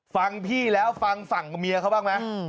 ฟังพี่แล้วฟังฝั่งเมียเขาบ้างไหม